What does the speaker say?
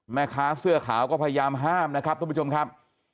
แม่ค้าเสื้อขาวก็พยายามห้ามนะครับทุกผู้ชมครับ